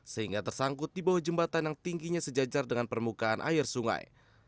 sehingga tersangkut di bawah jembatan yang tingginya sejajar dengan permukaan air sungai